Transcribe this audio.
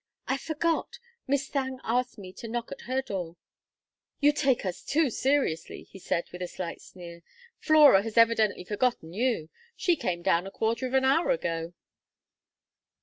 "I forgot! Miss Thangue asked me to knock at her door " "You take us too seriously," he said, with a slight sneer. "Flora has evidently forgotten you; she came down a quarter of an hour ago."